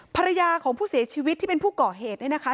ภรรยาของผู้เสียชีวิตที่เป็นผู้ก่อเหตุเนี่ยนะคะ